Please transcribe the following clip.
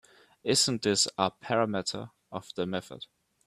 Isn’t this a parameter of the method?